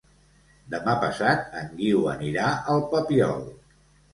Demà passat en Guiu anirà al Papiol.